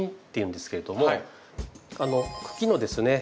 茎のですね